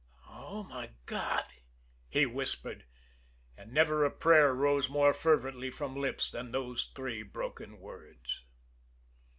"Oh, my God!" he whispered and never a prayer rose more fervently from lips than those three broken words.